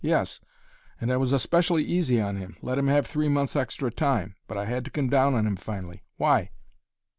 Yes; and I was especially easy on him; let him have three months' extra time. But I had to come down on him finally. Why?"